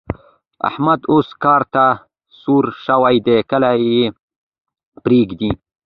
احمد اوس کار ته سور شوی دی؛ کله يې پرېږدي.